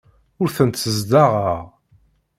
Ur tent-ssezdaɣeɣ.